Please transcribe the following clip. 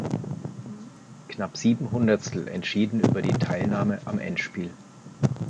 Knapp sieben Hundertstel entschieden über die Teilnahme am Endspiel.